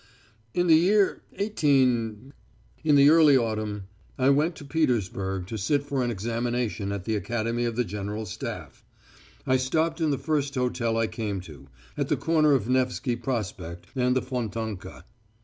"In the year 18 , in the early autumn, I went to Petersburg to sit for an examination at the Academy of the General Staff. I stopped in the first hotel I came to, at the corner of Nevsky Prospect and the Fontanka.